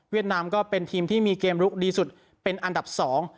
นามก็เป็นทีมที่มีเกมลุกดีสุดเป็นอันดับสอง